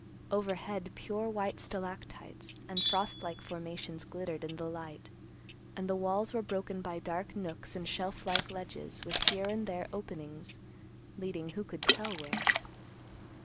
Overhead, pure white stalactites and frost like formations glittered in the light, and the walls were broken by dark nooks and shelf like ledges with here and there openings leading who could tell where?